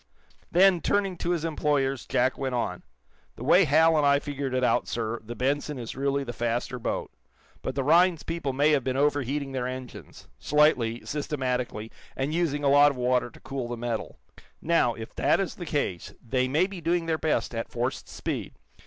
Then, turning to his employers, Jack went on: "The way Hal and I figured it out, sir, the 'Benson' is really the faster boat. But the Rhinds people may have been overheating their engines slightly, systematically, and using a lot of water to cool the metal. Now, if that is the case, they may be doing their best at forced speed.